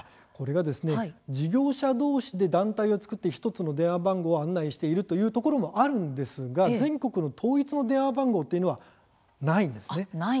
これは事業所どうしで団体を作って１つの電話番号を案内しているというところもありますが全国統一の電話番号というのはありません。